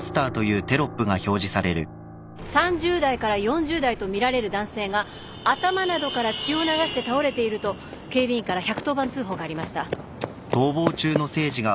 ３０代から４０代とみられる男性が頭などから血を流して倒れていると警備員から１１０番通報がありました。